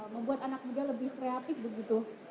membuat anak muda lebih kreatif begitu